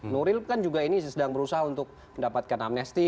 nuril kan juga ini sedang berusaha untuk mendapatkan amnesti